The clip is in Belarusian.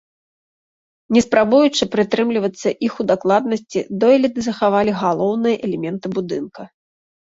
Не спрабуючы прытрымлівацца іх у дакладнасці, дойліды захавалі галоўныя элементы будынка.